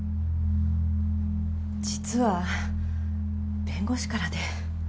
実は弁護士からで。